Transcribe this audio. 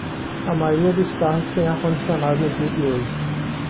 A maioria dos carros tem ar condicionado nos dias de hoje.